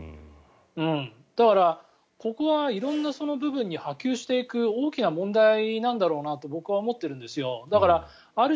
だから、ここは色んな部分に波及していく大きな問題なんだろうなと僕は思っているんですよ。